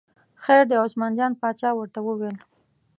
خیر دی، عثمان جان باچا ورته وویل.